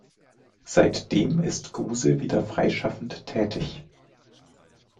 Seitdem ist Guse wieder freischaffend tätig.